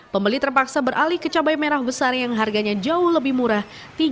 pembeli terpaksa beralih ke cabai merah besar yang harganya jauh lebih murah